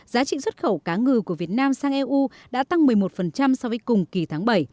giá trị xuất khẩu cá ngừ của việt nam sang eu đã tăng một mươi một so với cùng kỳ tháng bảy